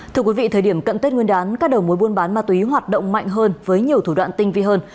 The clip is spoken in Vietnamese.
thưa quý vị thời điểm cận tết nguyên đán các đầu mối buôn bán ma túy hoạt động mạnh hơn với nhiều thủ đoạn tinh vi hơn